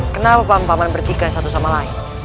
kenapa pak man berjika satu sama lain